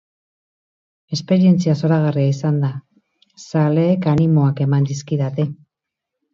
Esperientzia zoragarria izan da, zaleek animoak eman dizkidate.